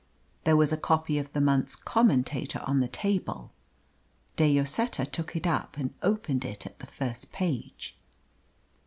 There was a copy of the month's Commentator on the table. De Lloseta took it up and opened it at the first page.